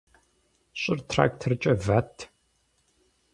Щӏыр тракторкӏэ ват.